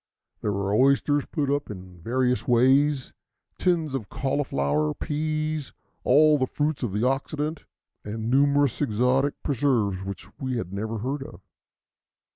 There were oysters put up in various ways, tins of cauliflower, peas, all the fruits of the Occident, and numerous exotic preserves which we had never heard of.